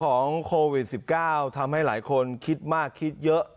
ของโควิด๑๙ทำให้หลายคนคิดมากคิดเยอะ